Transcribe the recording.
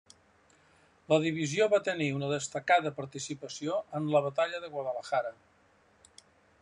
La divisió va tenir una destacada participació en la batalla de Guadalajara.